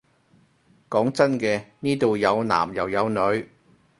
講真嘅，呢度有男又有女